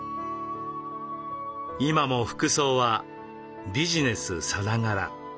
今も服装はビジネスさながら。